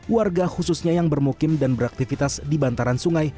warga khususnya yang bermukim dan beraktivitas di bantaran sungai